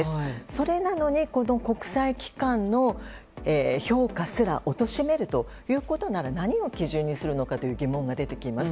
それなのに、この国際機関の評価すら貶めるということなら何を基準にするのかという疑問が出てきます。